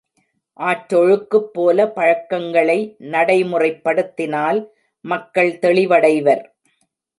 ஆற்றொழுக்குப் போல பழக்கங்களை நடைமுறைப் படுத்தினால் மக்கள் தெளிவடைவர்.